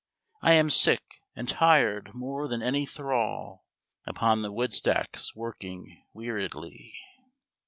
I am sick, and tired more than any thrall Upon the woodstacks working weariedly.